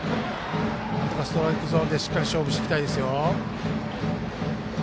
なんとかストライクゾーンでしっかり勝負していきたいですよ。